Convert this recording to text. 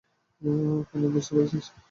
Final, বুঝতে পেরেছিস?